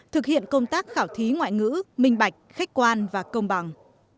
thực hiện công tác khảo thí ngoại ngữ minh bạch khách quan và công bằng